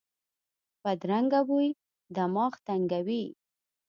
بدرنګه بوی دماغ تنګوي